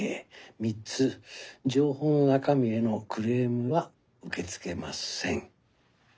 三つ情報の中身へのクレームは受け付けません。